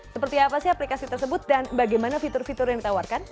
seperti apa sih aplikasi tersebut dan bagaimana fitur fitur yang ditawarkan